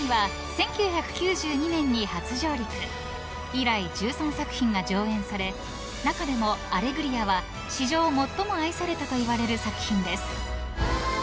［以来１３作品が上演され中でも『アレグリア』は史上最も愛されたといわれる作品です］